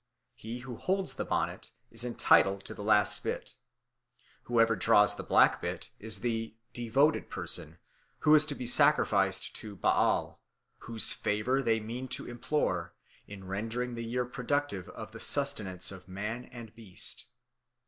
He who holds the bonnet, is entitled to the last bit. Whoever draws the black bit, is the devoted person who is to be sacrificed to Baal, whose favour they mean to implore, in rendering the year productive of the sustenance of man and beast.